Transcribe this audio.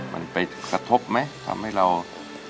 หนูก็ตั้งใจเรียนเหมือนเดิมเพราะคิดว่าถ้าตั้งใจเรียนก็จะได้มีงานดีทำค่ะ